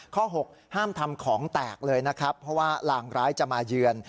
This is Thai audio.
หกห้ามทำของแตกเลยนะครับเพราะว่าลางร้ายจะมาเยือน